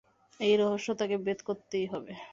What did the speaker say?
এই রহস্য তাঁকে ভেদ করতেই হবে।